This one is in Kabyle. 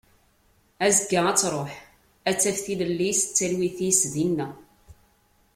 Azekka ad truḥ ad taf tilelli-s d talwit-is dinna.